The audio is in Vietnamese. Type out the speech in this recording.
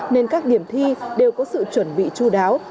nên các điểm thi đều có sự chuẩn bị chú đáo